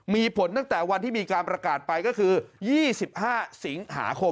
มีผลตั้งแต่วันที่มีการประกาศไปก็คือ๒๕สิงหาคม